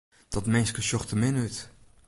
Dat minske sjocht der min út.